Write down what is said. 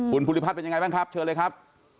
คุณภูริพัฒน์เป็นยังไงบ้างครับเชิญเลยครับ